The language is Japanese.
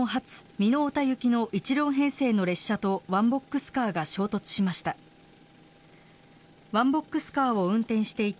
美濃太田行きの１両編成の列車とワンボックスカーが衝突しました。